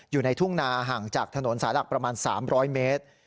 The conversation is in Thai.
อยู่ในทุ่งนาห่างจากถนนสายหลักประมาณ๓๐๐เมตร